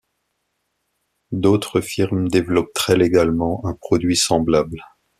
D'autres firmes développent très légalement un produit semblable.